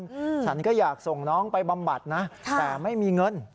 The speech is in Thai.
อืมฉันก็อยากส่งน้องไปบำบัดนะค่ะแต่ไม่มีเงิน